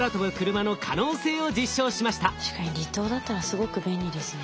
確かに離島だったらすごく便利ですね。